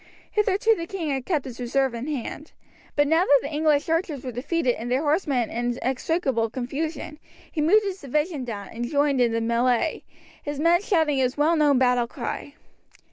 Hitherto the king had kept his reserve in hand; but now that the English archers were defeated and their horsemen in inextricable confusion, he moved his division down and joined in the melee, his men shouting his well known battle cry.